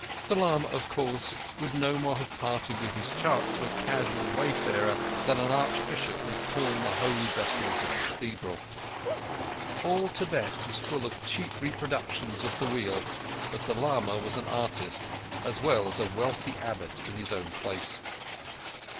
The lama, of course, would no more have parted with his chart to a casual wayfarer than an archbishop would pawn the holy vessels of his cathedral. All Tibet is full of cheap reproductions of the Wheel; but the lama was an artist, as well as a wealthy Abbot in his own place.